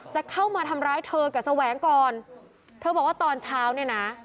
จะเข้ามาทำร้ายเธอกับแสวงก่อนเธอบอกว่าตอนเช้าเนี่ยนะ